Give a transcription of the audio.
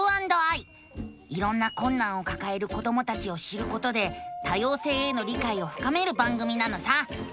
いろんなこんなんをかかえる子どもたちを知ることで多様性への理解をふかめる番組なのさ！